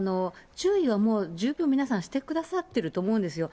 注意はもう、皆さん十分してくださってると思うんですよ。